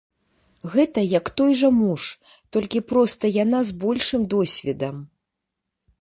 Гэта як той жа муж, толькі проста яна з большым досведам.